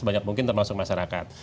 sebanyak mungkin termasuk masyarakat